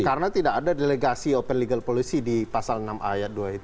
karena tidak ada delegasi open legal policy di pasal enam ayat dua itu